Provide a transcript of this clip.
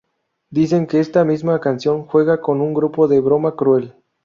Dicen que esta misma canción juega con un grupo de broma cruel.